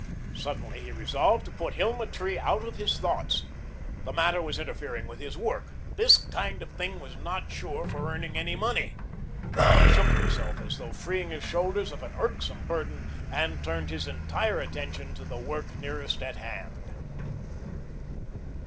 Suddenly he resolved to put Hilma Tree out of his thoughts. The matter was interfering with his work. This kind of thing was sure not earning any money. He shook himself as though freeing his shoulders of an irksome burden, and turned his entire attention to the work nearest at hand.